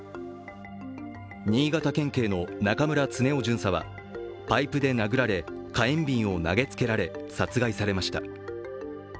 新潟県警の中村恒雄巡査はパイプで殴られ火炎瓶を投げつけられ殺害されました。